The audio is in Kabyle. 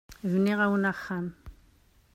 Bniɣ-awen axxam.